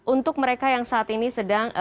untuk mereka yang saat ini sedang